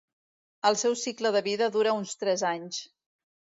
El seu cicle de vida dura uns tres anys.